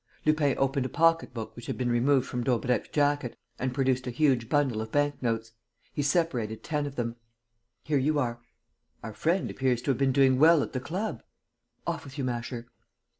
Lupin opened a pocketbook which had been removed from Daubrecq's jacket and produced a huge bundle of bank notes. He separated ten of them: "Here you are. Our friend appears to have been doing well at the club. Off with you, Masher!"